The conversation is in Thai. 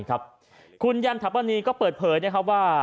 คุณยันถัปนีก็เปิดเผยว่า